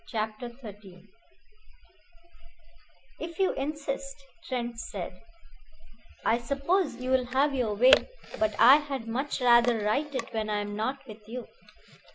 CHAPTER XIII WRITING A LETTER "If you insist," Trent said, "I suppose you will have your way. But I had much rather write it when I am not with you.